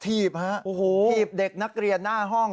ทีบฮะทีบเด็กนักเรียนหน้าห้อง